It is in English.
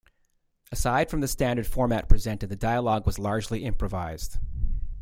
Aside from the standard format presented, the dialogue was largely improvised.